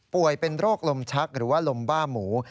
เป็นโรคลมชักหรือว่าลมบ้าหมู